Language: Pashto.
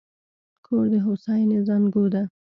کور د هوساینې زانګو ده.